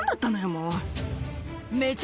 もう。